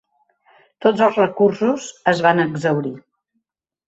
Tots els recursos es van exhaurir.